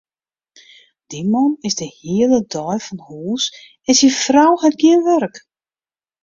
Dy man is de hiele dei fan hús en syn frou hat gjin wurk.